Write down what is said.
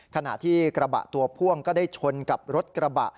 ขณะที่กระบะตัวพ่วงก็ได้ชนกับรถกระบะ